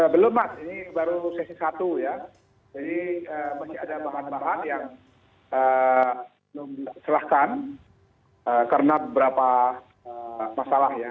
belum mas ini baru sesi satu ya jadi masih ada bahan bahan yang belum diserahkan karena beberapa masalah ya